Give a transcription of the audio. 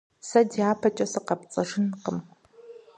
Сэ дяпэкӀэ сыкъэпцӀэжынкъым.